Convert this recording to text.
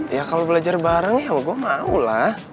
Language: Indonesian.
ya kalau belajar bareng ya wah gue mau lah